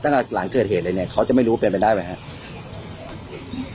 แต่ก็หลังเกิดเหตุเลยเนี่ยเขาจะไม่รู้เป็นเป็นได้ไหมครับ